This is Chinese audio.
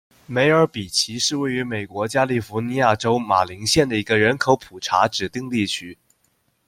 梅尔比奇是位于美国加利福尼亚州马林县的一个人口普查指定地区。